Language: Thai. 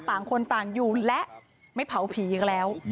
ต่างคนต่างอยู่และไม่เผาผีอีกแล้ว